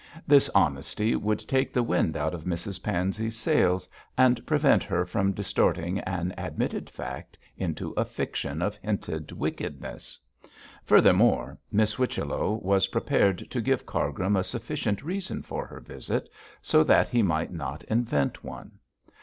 This honesty would take the wind out of Mrs Pansey's sails, and prevent her from distorting an admitted fact into a fiction of hinted wickedness. Furthermore, Miss Whichello was prepared to give Cargrim a sufficient reason for her visit, so that he might not invent one.